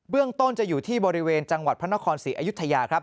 เรื่องต้นจะอยู่ที่บริเวณจังหวัดพระนครศรีอยุธยาครับ